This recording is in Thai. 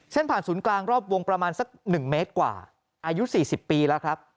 ผ่านศูนย์กลางรอบวงประมาณสัก๑เมตรกว่าอายุ๔๐ปีแล้วครับ